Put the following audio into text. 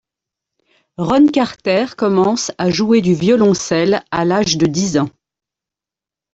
Ron Carter commence à jouer du violoncelle à l'âge de dix ans.